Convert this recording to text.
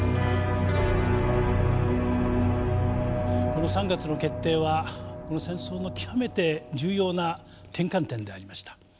この３月の決定はこの戦争の極めて重要な転換点でありました。